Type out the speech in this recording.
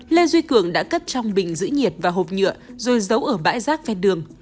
lê duy cường đã cất trong bình giữ nhiệt và hộp nhựa rồi giấu ở bãi rác ven đường